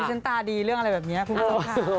ฉันตาดีเรื่องอะไรแบบนี้คุณผู้ชมค่ะ